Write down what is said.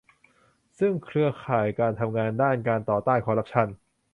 ซึ่งเครือข่ายการทำงานด้านการต่อต้านคอร์รัปชั่น